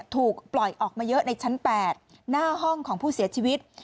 ถูกปล่อยออกมาเยอะในชั้น๘หน้าห้องของผู้เสียชีวิต